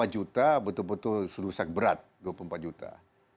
dua lima juta betul betul rusak berat dua puluh empat juta